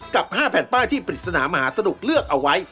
กับ๕แผ่นป้ายที่ปริศนามหาสนุกเลือกเอาไว้